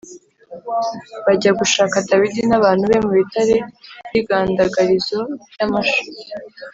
bajya gushaka Dawidi n’abantu be mu bitare by’igandagarizo ry’amasha.